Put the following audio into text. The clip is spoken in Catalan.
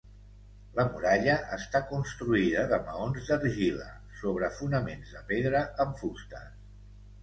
La muralla està construïda de maons d'argila, sobre fonaments de pedra amb fustes.